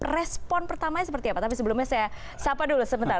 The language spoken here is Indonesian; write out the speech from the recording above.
respon pertamanya seperti apa tapi sebelumnya saya sapa dulu sebentar